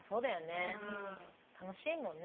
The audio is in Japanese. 楽しいもんね。